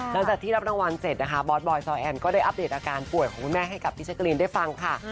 หลังจากที่รับรางวัลเสร็จนะคะบอสบอยซอแอนก็ได้อัปเดตอาการป่วยของคุณแม่ให้กับพี่แจ๊กรีนได้ฟังค่ะ